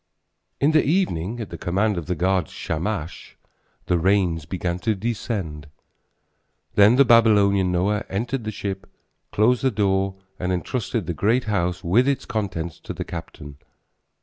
In the evening at the command of the god Shamash the rains began to descend. Then the Babylonian Noah entered the ship and closed the door and entrusted the great house with its contents to the captain.